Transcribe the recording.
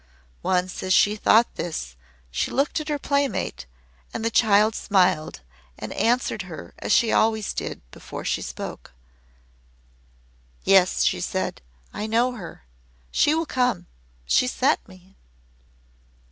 Once as she thought this she looked at her playmate, and the child smiled and answered her as she always did before she spoke. "Yes," she said; "I know her. She will come. She sent me."